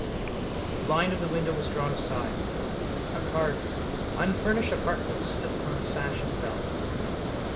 The blind of the window was drawn aside. A card Unfurnished Apartments slipped from the sash and fell.